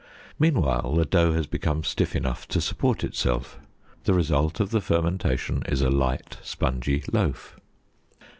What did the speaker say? Meanwhile, the dough has become stiff enough to support itself. The result of the fermentation is a light, spongy loaf.